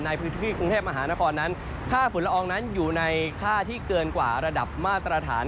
ในพื้นที่กรุงเทพมหานครนั้นค่าฝุ่นละอองนั้นอยู่ในค่าที่เกินกว่าระดับมาตรฐาน